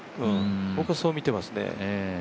僕はそう見ていますね。